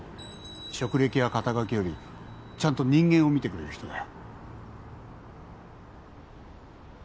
職歴や肩書きよりちゃんと人間を見てくれる人だよ。